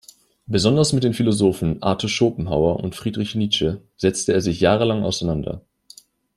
Besonders mit den Philosophen Arthur Schopenhauer und Friedrich Nietzsche setzte er sich jahrelang auseinander.